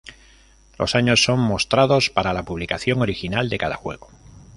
Los años son mostrados para la publicación original de cada juego.